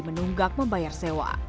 menunggak membayar sewa